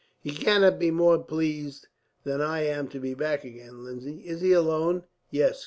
"He cannot be more pleased than I am to be back again, Lindsay. Is he alone?" "Yes.